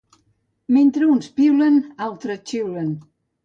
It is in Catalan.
Mentre uns piulen, altres xiulen.